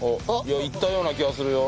いったような気がするよ。